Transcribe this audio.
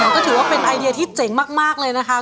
ก็ถือว่าเป็นไอเดียที่เจ๋งมากเลยนะคะ